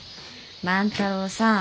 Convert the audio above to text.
万太郎さん